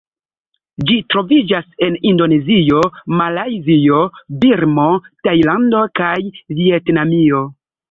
Ĝi troviĝas en Indonezio, Malajzio, Birmo, Tajlando kaj Vjetnamio.